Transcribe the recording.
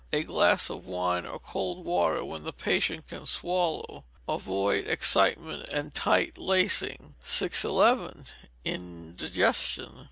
A glass of wine or cold water when the patient can swallow. Avoid excitement and tight lacing. 611. Indigestion.